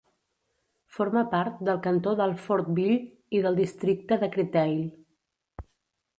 Forma part del cantó d'Alfortville i del districte de Créteil.